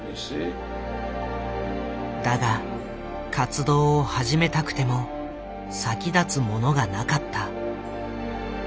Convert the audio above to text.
だが活動を始めたくても先立つものがなかった。